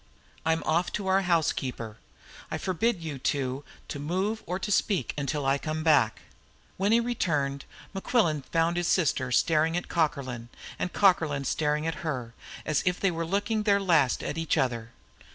I'm off to our housekeeper. I forbid you two to move or to speak until I come back." When he returned Mequillen found his sister staring at Cockerlyne, and Cockerlyne staring at her, as if they were looking their last at each other.